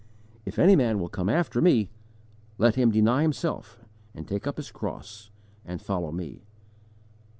] "If any man will come after Me, let him deny himself and take up his cross and follow Me."